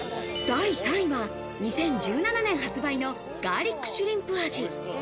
第３位は２０１７年発売のガーリックシュリンプ味。